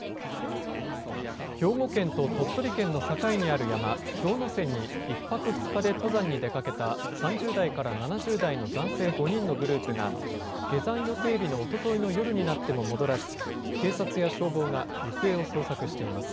兵庫県と鳥取県の境にある山、氷ノ山に１泊２日で登山に出かけた３０代から７０代の男性５人のグループが下山予定日のおとといの夜になっても戻らず警察や消防が行方を捜索しています。